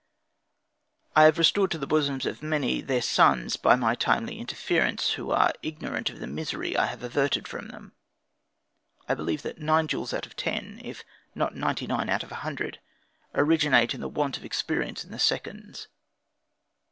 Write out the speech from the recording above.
I have restored to the bosoms of many, their sons, by my timely interference, who are ignorant of the misery I have averted from them. I believe that nine duels out of ten, if not ninety nine out of a hundred, originate in the want of experience in the seconds.